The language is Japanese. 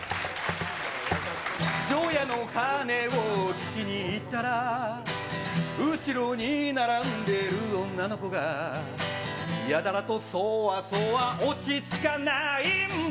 除夜の鐘をつきに行ったら、後ろに並んでる女の子が、やたらとそわそわ落ち着かないんだ。